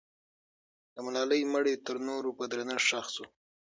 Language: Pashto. د ملالۍ مړی تر نورو په درنښت ښخ سو.